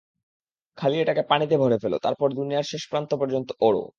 খালি এটাকে পানিতে ভরে ফেলো, তারপর দুনিয়ার শেষ প্রান্ত পর্যন্ত ওড়ো।